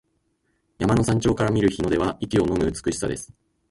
山の頂上から見る日の出は息をのむ美しさです。